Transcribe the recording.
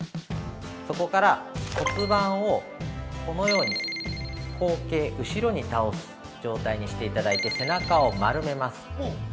そこから骨盤をこのように後傾、後ろに倒す状態にしていただいて、背中を丸めます。